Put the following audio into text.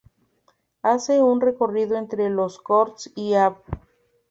Hace su recorrido entre Les Corts y la Av.